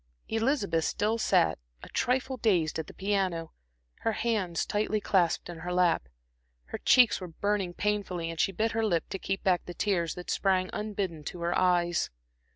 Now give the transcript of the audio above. Elizabeth still sat, a trifle dazed, at the piano, her hands tightly clasped in her lap. Her cheeks were burning painfully and she bit her lip to keep back the tears that sprang unbidden to her eyes.